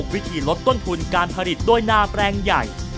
วิธีลดต้นทุนการผลิตด้วยนาแปลงใหญ่